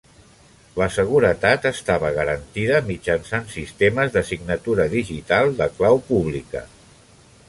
La seguretat estava garantida mitjançant sistemes de signatura digital de clau pública.